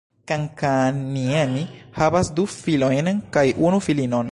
Kankaanniemi havas du filojn kaj unu filinon.